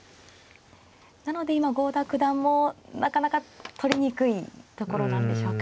なので今郷田九段もなかなか取りにくいところなんでしょうか。